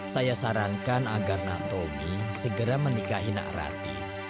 saya sarankan agar natobi segera menikahi nak rati